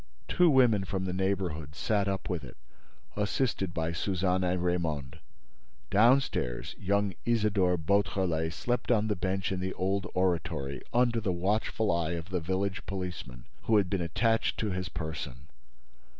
Two women from the neighborhood sat up with it, assisted by Suzanne and Raymonde. Downstairs, young Isidore Beautrelet slept on the bench in the old oratory, under the watchful eye of the village policeman, who had been attached to his person.